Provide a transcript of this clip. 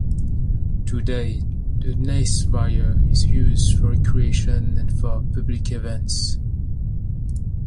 Today, the Knavesmire is used for recreation and for public events.